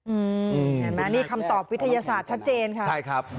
เห็นไหมนี่คำตอบวิทยาศาสตร์ชัดเจนค่ะใช่ครับ